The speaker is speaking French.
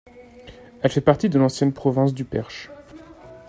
Elle fait partie de l'ancienne province du Perche.